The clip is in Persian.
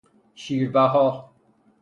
شیر بها